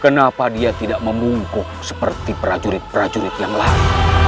kenapa dia tidak membungkuk seperti prajurit prajurit yang lain